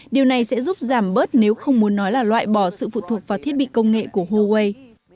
điều này sẽ giúp giảm bớt nếu không muốn nói là loại bỏ sự phụ thuộc vào thiết bị công nghệ của huawei